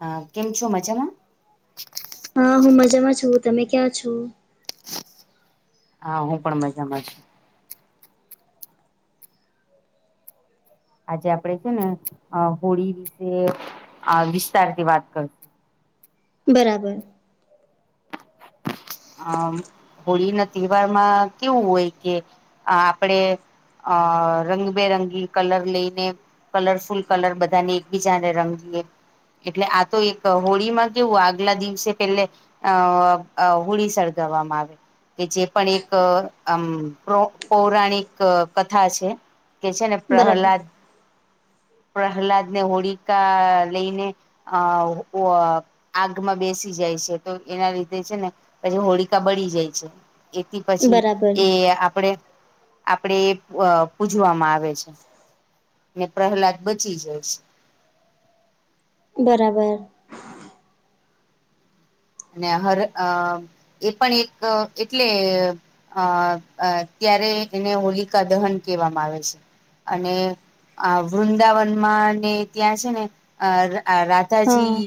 હા કેમ છો મજામાં હા હું મજામાં છું તમે ક્યાં છો. હા હું પણ મજામાં છુ. આજે આપણે છે ને અ હોળી વિશે અ વિસ્તારથી વાત કરું બરાબર. અમ હોળીના તહેવારમાં કેવું હોય કે આપણે અ રંગબેરંગી કલર લઈને કલરફુલ કલર બધાને એકબીજાને રંગીએ એટલે આ તો એક હોળીમાં કેવું આગલા દિવસે પેહલે અ હોળી સળગાવવામાં આવે કે જે પણ એક અમ પૌ પૌરાણિક કથા છે. કે છે ને બરાબર પ્રહલાદ પ્રહલાદ ને હોળિકા લઈને અ આગમાં બેસી જાય તો એના લીધે છે પછી હોળીકા બળી જાય છે. એથી પછી બરાબર એ આપણે આપણે એ પૂજવામાં આવે છે ને પ્રહલાદ બચી જાય છે. બરાબર. અને હર અ એ પણ એક એટલે અ અ ત્યારે એને હોલિકા દહન કહેવામાં આવે છે અને આ વૃંદાવનમાં ને ત્યાં છે ને અ હા રાધાજી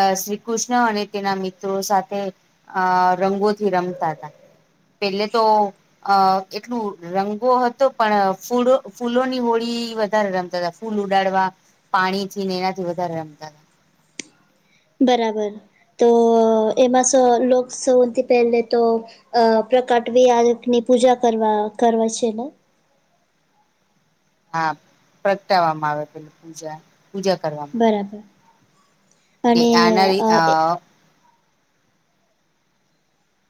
અ શ્રીકૃષ્ણ અને તેના મિત્રો સાથે અ રંગોથી રમતા હતા. પહેલે તો અ એટલું રંગો હતો પણ ફુડો ફૂલોની હોળી વધારે રમતા હતા. ફૂલ ઉડાડવા પાણીથી ને એનાથી વધારે રમતા હતા. બરાબર તો એમાં સ લોક સૌથી પહેલે તો અ પ્રકાટવિ આની પૂજા કરવા કરવા છે ને હા પ્રગટાવવામાં આવે પેલી પૂજા પૂજા કરવામાં આવે બરાબર અને આના એ અ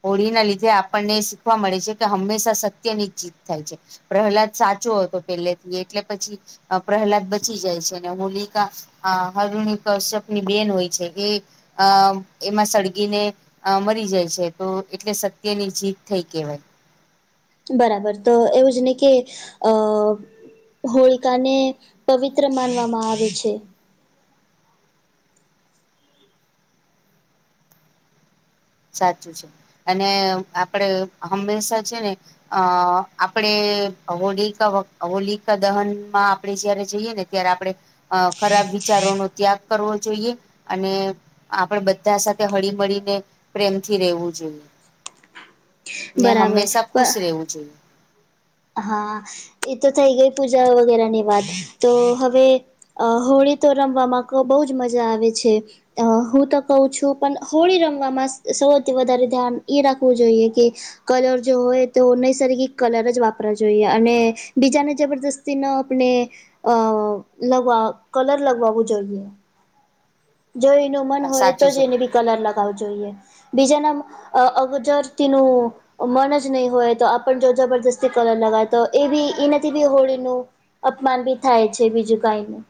હોળીના લીધે આપણને શીખવા મળે છે કે હંમેશા સત્યની જ જીત થાય છે. પ્રહલાદ સાચો હતો પહેલેથી એટલે પછી અ પ્રહલાદ બચી જાય છે અને હોલિકા હ હરુણી કશ્યપની બેન હોય છે કે અ એમાં સળગીને અ મરી જાય છે. તો એટલે સત્યની જીત થઈ કેવાય. બરાબર તો એવું જ ની કે અ હોળિકાને પવિત્ર માનવામાં આવે છે. સાચું છે અને આપણે હંમેશા છે ને અ આપણે હોલીકા હોલીકા દહનમાં આપણે જયારે જઈએ ને ત્યારે આપણે ખરાબ વિચારોનો ત્યાગ કરવો અને આપણેે બધા સાથે હળી મળીને પ્રેમથી રહેવું જોઈએ ને બરાબર હંમેશા ખુશ રહેવુ જોઈએ. હા, એ તો થઈ ગઈ પૂજા વગેરેની વાત તો હવે અ હોળી તો રમવામાં બહુ મજા આવે છે. અ હું તો કહઉ છું પણ હોળી રમવામાં સૌથી વધારે ધ્યાન એ રાખવું જોઈએ કે. કલર જો હોય તો નૈસર્ગિક કલર જ વાપર વપરા જોઈએ અને બીજાને જબરદસ્તી ન આપણે અ લગવા કલર લગવાવું જોઈએ. જો એનું મન હોય તો સાચું છે જ એને બી કલર લગાવો જોઈએ બીજાના અ અગજર તીનું મન જ નહીં હોય તો આપણ જો જબરદસ્તી કલર લગાવ તો એ બી એનાથી બી હોળીનું અપમાન બી થાય છે બીજું કઈ ન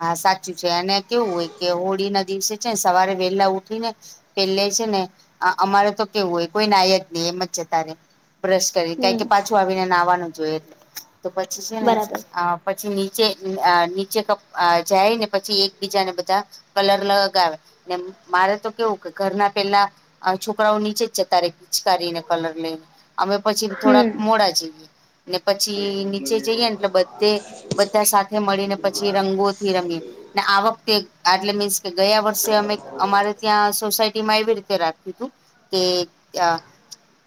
હા સાચ્ચુ છે અને કેવુ હોય કે હોળી ના દિવસે છેન સવારે વેહેલા ઉઠી ને એલ્લે છે ને અ અમારે તો કેવું હોય, કોઈ નાય જ નહી એમ જ્જતારે બ્રષ કરી હમ કે પાછું આવીને નાવાનું જોયે એટલે તો પછી છે ને બરાબર અ પછી નીચે આ નીચે કપ આ જાય ને પછી એકબીજાને બધા કલર લ ગાવે ને મારે તો કેવું કે ઘરના પેલા અન છોકરાઓ નીચે જ જતારૈ ખીચકારીને કલર લઈન અમે પછીબ્ થોડાક હમ મોડા જૈએ ને પછી નીચે જૈયેનટલે બધે બધા સાથે મળી ને પછી રંગોથી રમીએ ને આ વખતે આટલે મીન્સ કે ગયા વર્ષે અમે અમારે ત્યાં સોસાયટીમાં એવી રીતે રાખ કે ત્યાં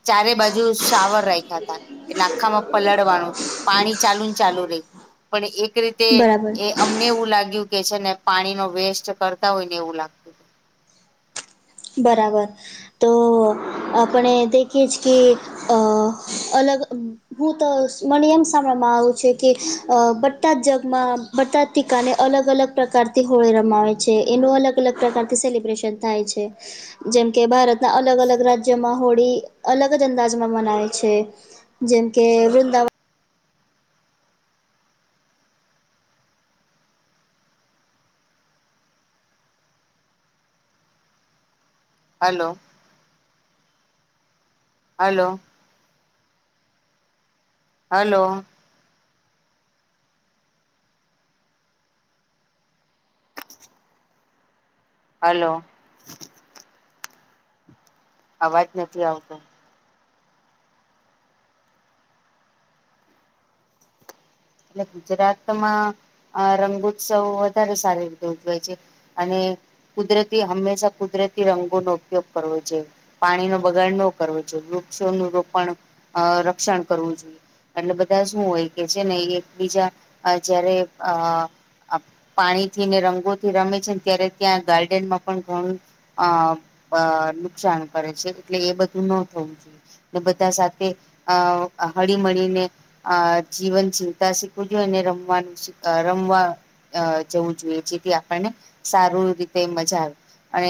ચારે બા જુ શાવર રાખ્યાતા એટલે આખામાં પલળવાનું પાણી ચાલુનચાલુ રહી. પણ એક રીતે બરાબર અમને એવું લાગ્યું કે છે ને પાણી નો વેસ્ટ કરતા હોય ને એવું લાગ બરાબર, તો આપણે દેખીએ છે કે ઓહ અલગ ઉમ હું તોસ મને એમ સાંભળમાં આયુ છે કે અ બટા જ જગમાં બધાથી કાલે અલગ-અલગ પ્રકારથી હોળી રમાવે છે એનું અલગ-અલગ પ્રકારથી સેલિબ્રેશન થાય છે. જેમ કે ભારતના અલગ-અલગ રાજ્યોમાં હોળી અલગ જ અંદાજમાં મનાવે છે. જેમ કે વૃંદાવ હલ્લો. હલો. હલો. હલો. અવાજ નથી આવતો. ગુજરાતમાં અ રંગુત્સવ વધારે સારી રીતે ઉજવે છે. અને કુદરતી હંમેશા કુદરતી રંગોનો ઉપયોગ કરવો જોઈએ. પાણીનો બગાડ નો કરવો જોઈ વૃક્ષોનું રોપણ અ રક્ષણ કરવું જોઈએ. અટલે બધા શું હોય કે છે ને ઇ એકબીજા અ જયારે અ આ પાણી થી ને રંગોથી રમે છેન ત્યારે ત્યાં ગાર્ડનમાં પણ ઘણું અ પ નુકસાન કરે છે એટલે એ બધું ન થવું જોઈએ. બધા સાથે અ હળીમીને અ જીવન જી શીખવું જોઈએ ન રમવાનું શીખ અ રમવા અ જવું જોઈએ જેથી આપણને સારું રીતે મજા આવે. એ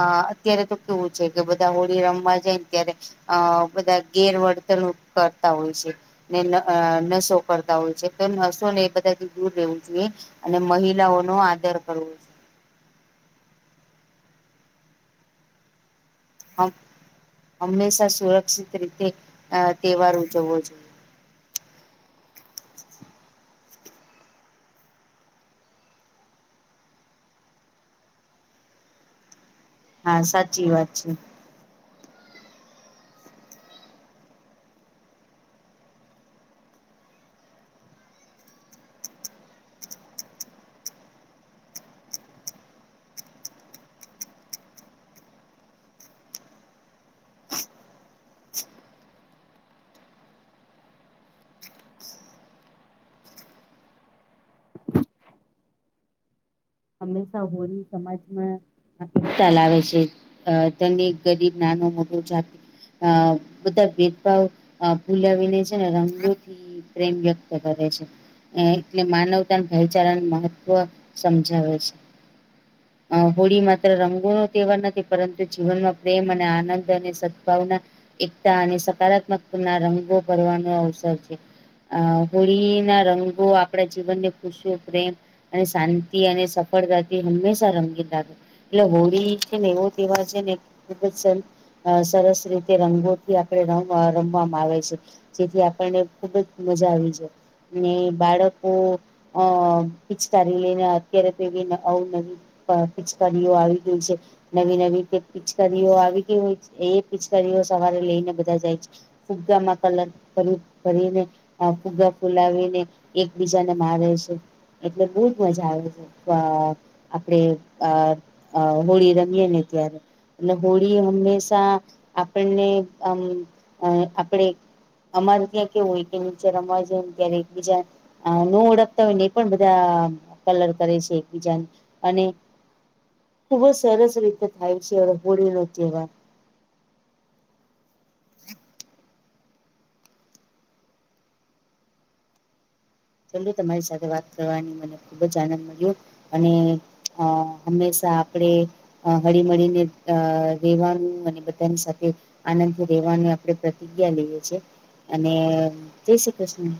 આ અત્યારે તો કેવું છે કે બધા હોળી રમવા જાયન ત્યારે અહ બધા ગેરવર્તણુંક કરતા હોય છે. ને ન અહ નશો કરતા હોય છે. તે નશો ને એ બધાયથી દૂર રહેવું જોઈએ. અને મહિલાઓ નો આદર કરવો જોઈએ. હ હંમેશા સુરક્ષિત રીતે અહ તહેવાર ઉજવવો જોઈએ. હા, સાચી વાત છે. હંમેશા હોલી સમાજમાં [unintelligible] લાવે છે. એ તને એક ગરીબ નાનો-મોટો જાતિ હા. બધા ભેદભાવ અહ ભૂલાવીને છે ને રંગોથી પ્રેમ વ્યક્ત કરે છે. ને એટલે માનવતા અન ભાઉચારાનું મહત્વ સમ જાવે છે. અહ હોળી માત્ર રંગોનો તહેવાર નથી, પરંતુ જીવનમાં પ્રેમ અને આનંદ અને સદભાવના એકતા અને સકારાત્મક ના રંગો ભરવાનો અવસર છે. અહ હોળી ના રંગો આપણા જીવનને ખુશીઓ, પ્રેમ અને શાંત તિ અને સફળતાથી હંમેશા રંગીન લાગે. એટલે હોળી છે ને એવો તહેવાર છે ને કે [unintelligible] અહ સરસ રીતે રંગોથી આપણે રમવા-રમવામાં આવે છે. જેથી આપણને ખુબ જ મજા આવી જાય. ને બાળકો અહ પિચકારારી લઈને અત્યારે તો એવી અવનવી પ પિચકારીઓ આવી ગઈ છે. નવી-નવી કૈક પિચકારીઓ આવી ગઈ હોય છે, એ પિચકારીઓ સવારે લઈને બધા જાય છે. ફુગ્ગામાં કલર ભરું ભરીને અહ ફુગા ફુલાવીને એકબીજાને મારે છે. એટલે બહુ જ મજા આવે છે. ફુગ્ગા આપણે આ-આ હોળી રમીએ ને ત્યારે. એટલે હોળી હંમેશા આપણને આમ અહ આપણે અમારે ત્યાં કેવું હોય કે નિચે રમવાં જાય ને ત્યારે એકબીજા અહ ન ઓળખતા હોય ને એ પણ બધા કલર કરે છે એકબીજાને. અને ખુબ જ સરસ રીતે થાય છે હવે હોળીનો તહેવાર. ચલિયે તમારી સાથે વાત કરવાની મને ખુબ જ આનંદ મળ્યો. અને અહ હંમેશા આપણે અહ હળી-મળીને અહ રહેેવાનું, અને બધાની સાથે આનંદ થી રહેવાની આપણે પ્રતિજ્ઞા લઈએ છીએ. અને જય શ્રી કૃષ્ણ.